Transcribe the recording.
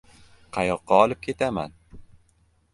Qayoqqa olib ketaman?